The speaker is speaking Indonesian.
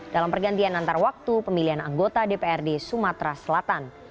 dalam pergantian antar waktu pemilihan anggota dprd sumatera selatan